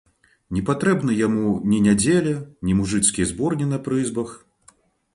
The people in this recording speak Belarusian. Не патрэбна яму ні нядзеля, ні мужыцкія зборні на прызбах.